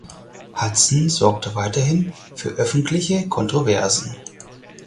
Hazen sorgte weiterhin für öffentliche Kontroversen.